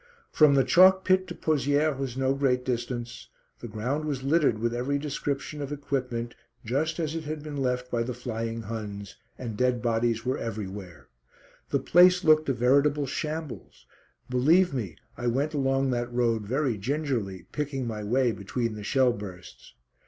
From the chalk pit to Pozières was no great distance. The ground was littered with every description of equipment, just as it had been left by the flying Huns, and dead bodies were everywhere. The place looked a veritable shambles. Believe me, I went along that road very gingerly, picking my way between the shell bursts.